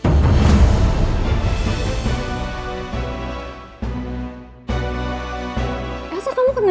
sampai jumpa di video selanjutnya